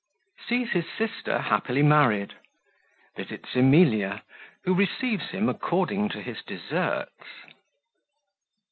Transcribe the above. Sees his Sister happily married Visits Emilia, who receives him according to his Deserts.